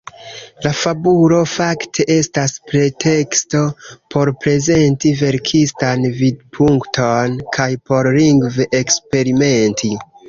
La fabulo fakte estas preteksto por prezenti verkistan vidpunkton kaj por lingve eksperimenti.